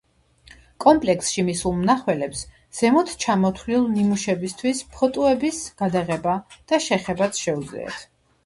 კომპლექსში მისულ მნახველებს ზემოთ ჩამოთვლილ ნიმუშებისთვის ფოტოების გადაღება და შეხებაც შეუძლიათ.